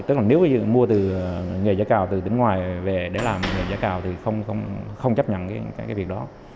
tức là nếu mua từ nghề giã cào từ tỉnh ngoài về để làm nghề giã cào thì không chấp nhận cái việc đó